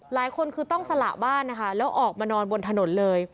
หลายคนคือต้องสละบ้านนะคะแล้วออกมานอนบนถนนเลย